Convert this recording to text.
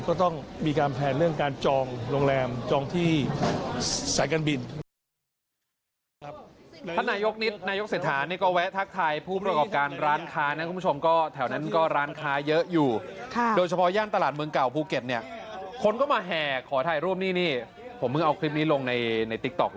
ก็ต้องมีการแพลนเรื่องการจองโรงแรมจองที่สายการบิน